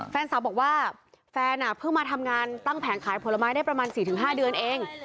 แฟนสาวบอกว่าแฟนเพิ่งมาทำงานตั้งแผงขายผลไม้ได้ประมาณ๔๕เดือนเอง